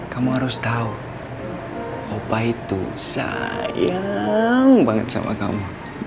kamu harus tahu opa itu sayang banget sama kamu